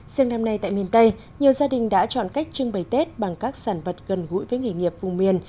xem năm nay tại miền tây nhiều gia đình đã chọn cách trưng bày tết bằng các sản vật gần gũi với nghề nghiệp vùng miền